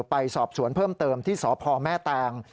ไปสอบสวนเพิ่มเติมที่สพแม่แตง